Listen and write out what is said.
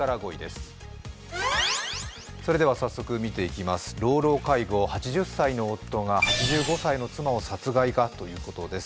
それでは早速見ていきます、老老介護８０歳の夫が８５歳の妻を殺害かということです。